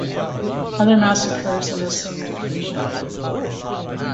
Other massacres in the same location